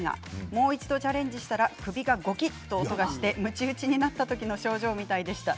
もう一度、チャレンジしたら首がごきっと音がしてむち打ちになったときの症状みたいでした。